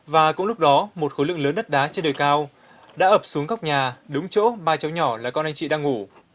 và cũng lúc đó một khối lượng lớn đất đá trên đề cao đã ập xuống góc nhà đúng chỗ ba cháu nhỏ là con anh chị đang ngủ